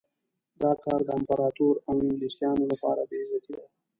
دا کار د امپراطور او انګلیسیانو لپاره بې عزتي ده.